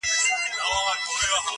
او ځيني خو لا په دې فکر کي شول